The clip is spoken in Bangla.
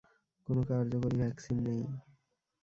কোন কার্যকরী ভ্যাকসিন নেই।